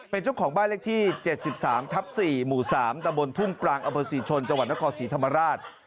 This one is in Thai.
เป็นเจ้าของบ้านเลขที่๗๓ทับ๔หมู่๓ตะบนทุ่งปรางอเภอศรีชนจังหวัดนครศรีธรรมราช